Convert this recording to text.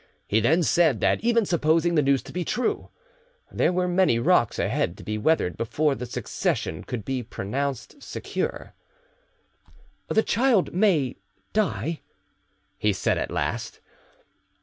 He then said that even supposing the news to be true, there were many rocks ahead to be weathered before the succession could be pronounced secure. "The child may die," he said at last.